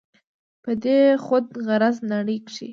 په دې خود غرضه نړۍ کښې